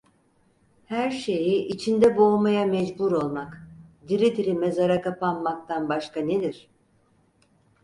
Her şeyi içinde boğmaya mecbur olmak, diri diri mezara kapanmaktan başka nedir?